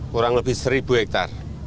kurang lebih satu hektar